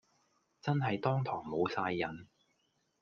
真係當堂無哂癮